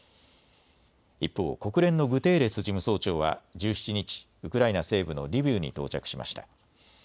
一方、国連のグテーレス事務総長は１７日、ウクライナ西部のリビウに到着しました。